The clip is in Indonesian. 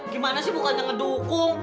gimana sih bukannya ngedukung